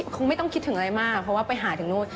คงไม่ต้องคิดถึงอะไรมากเพราะว่าไปหาถึงนู่น